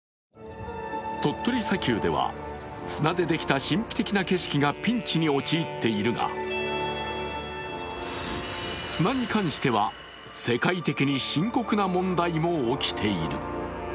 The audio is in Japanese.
鳥取砂丘では砂でできた神秘的な景色がピンチに陥っているが、砂に関しては世界的に深刻な問題も起きている。